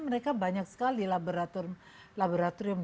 mereka banyak sekali laboratorium